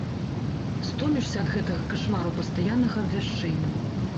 Стомішся ад гэтага кашмару пастаяннага абвяшчэння.